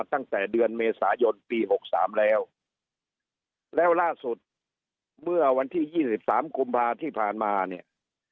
ตั้งแต่เดือนเมษายนปีหกสามแล้วแล้วล่าสุดเมื่อวันที่๒๓กุมภาที่ผ่านมาเนี่ย